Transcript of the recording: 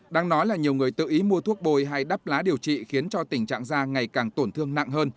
đang nói là nhiều người tự ý mua thuốc bồi hay đắp lá điều trị khiến cho tình trạng da ngày càng tổn thương nặng hơn